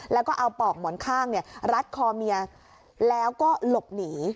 แล้วก็เอาปอกหมอนข้างรัดคอเมียแล้วก็หลบหนี